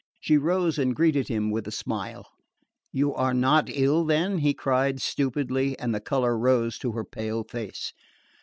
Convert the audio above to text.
She rose and greeted him with a smile. "You are not ill, then?" he cried, stupidly, and the colour rose to her pale face.